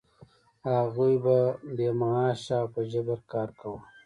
هغوی به بې معاشه او په جبر کار کاوه.